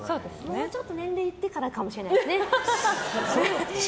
もうちょっと年齢いってからかも知らないでしょ。